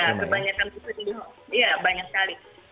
iya banyak sekali